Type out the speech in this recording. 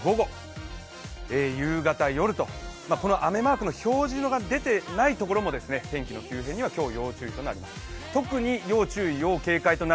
更に、これが今日の午後、夕方、夜とこの雨マークの表示が出ていないところも天気の急変には今日要注意となります。